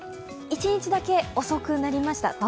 一日だけ遅くなりました